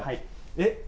えっ？